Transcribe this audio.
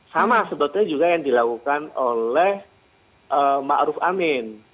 sama sebetulnya juga yang dilakukan oleh ma'ruf amin